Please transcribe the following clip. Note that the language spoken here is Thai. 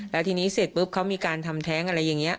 แล้วทีนี้เสร็จปุ๊บเขามีการทำแท้งอะไรอย่างนี้